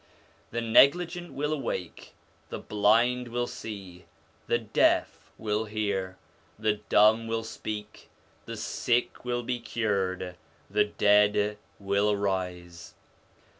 The negligent will awake, the blind will see, the deaf will hear, the dumb will speak, the sick will be cured, the dead will arise.